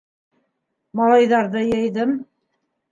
Малайҙарҙы йыйҙым.